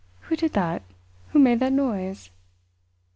"Who did that—who made that noise?"